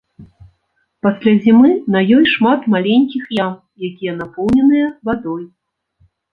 Пасля зімы на ёй шмат маленькіх ям, якія напоўненыя вадой.